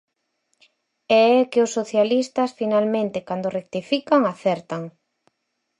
E é que os socialistas, finalmente, cando rectifican, acertan.